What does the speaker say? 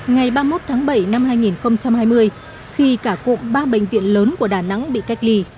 ngày ba mươi một tháng bảy năm hai nghìn hai mươi khi cả cụm ba bệnh viện lớn của đà nẵng bị cách ly